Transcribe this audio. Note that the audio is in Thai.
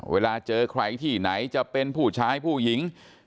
เวลาเจอใครที่ไหนจะเป็นผู้ชายผู้หญิง